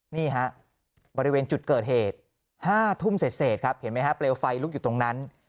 นี่ฮะบริเวณจุดเกิดเหตุ๕ทุ่มเสร็จครับเห็นไหมฮะเปลวไฟลุกอยู่ตรงนั้น